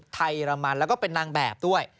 เยอรมันแล้วก็เป็นนางแบบด้วย